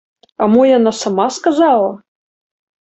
А мо яна сама сказала?